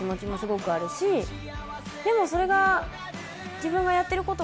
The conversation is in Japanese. でもそれが。